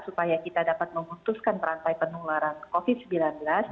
supaya kita dapat memutuskan perantai penularan covid sembilan belas